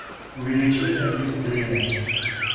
Увеличение дисплея